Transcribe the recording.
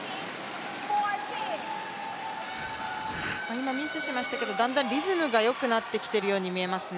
今ミスしましたけどだんだんリズムがよくなってきているように見えますね。